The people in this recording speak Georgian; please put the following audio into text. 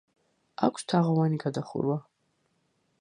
აქვს თაღოვანი გადახურვა.